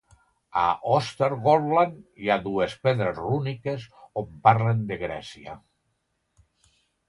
A Östergötland hi ha dues pedres rúniques on parlen de Grècia.